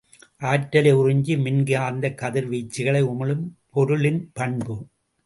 ஆற்றலை உறிஞ்சி மின்காந்தக் கதிர்வீச்சுக்களை உமிழும் பொருளின் பண்பு.